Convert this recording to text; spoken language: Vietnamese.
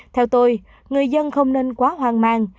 theo tôi người dân không nên quá hoang mang